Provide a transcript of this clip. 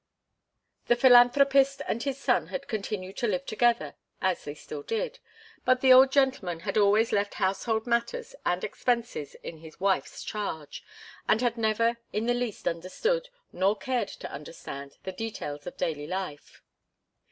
The philanthropist and his son had continued to live together, as they still did; but the old gentleman had always left household matters and expenses in his wife's charge, and had never in the least understood, nor cared to understand, the details of daily life.